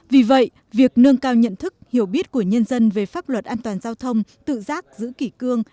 vì vậy việc nâng cao nhận thức hiểu biết của nhân dân về pháp luật an toàn giao thông tự giác giữ kỷ cương